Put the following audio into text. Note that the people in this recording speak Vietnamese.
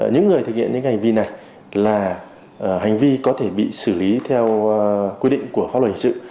những người thực hiện những hành vi này là hành vi có thể bị xử lý theo quy định của pháp luật hình sự